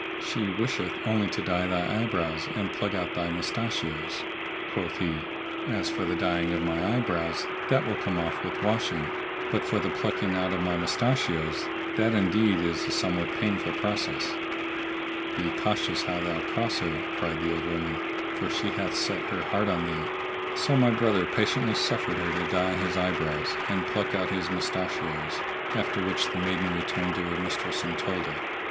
She wisheth only to dye thy eyebrows and pluck out thy mustachios." Quoth he, "As for the dyeing of my eye brows, that will come off with washing,[FN#645] but for the plucking out of my mustachios, that indeed is a somewhat painful process." "Be cautious how thou cross her," cried the old woman; "for she hath set her heart on thee." So my brother patiently suffered her to dye his eyebrows and pluck out his mustachios, after which the maiden returned to her mistress and told her.